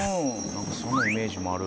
「なんかそんなイメージもある」